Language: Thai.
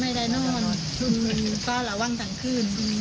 ไม่ได้นอนเพราะระวังทั้งคืน